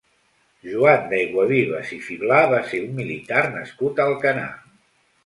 Juan de Ayguavives i Fibla va ser un militar nascut a Alcanar.